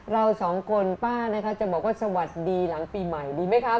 เราสองคนป้านะคะจะบอกว่าสวัสดีหลังปีใหม่ดีไหมคะ